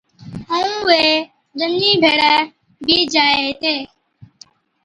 ائُون وي ڄَڃِي ڀيڙي بِي جائي ھِتي